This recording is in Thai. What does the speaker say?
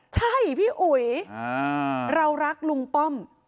ใช่พี่อุ๋ยเรารักลุงป้อม